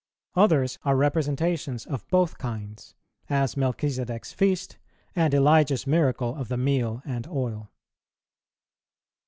Others are representations of both kinds; as Melchizedek's feast, and Elijah's miracle of the meal and oil.